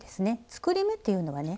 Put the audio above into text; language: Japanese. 作り目っていうのはね